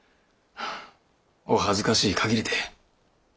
お恥ずかしい限りで。